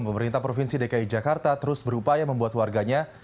pemerintah provinsi dki jakarta terus berupaya membuat warganya